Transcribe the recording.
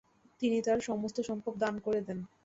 তিনি তার সমস্ত সম্পদ দান করে দেন।